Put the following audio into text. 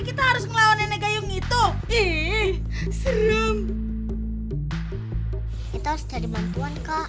kita harus cari bantuan kak